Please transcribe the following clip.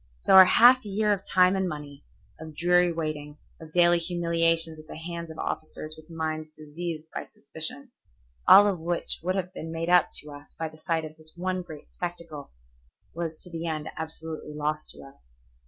So our half year of time and money, of dreary waiting, of daily humiliations at the hands of officers with minds diseased by suspicion, all of which would have been made up to us by the sight of this one great spectacle, was to the end absolutely lost to us.